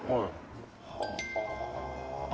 はあ。